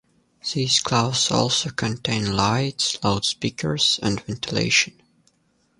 These clouds also contain lights, loudspeakers, and ventilation.